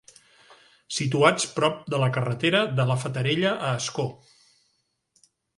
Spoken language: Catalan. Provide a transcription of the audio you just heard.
Situats prop de la carretera de la Fatarella a Ascó.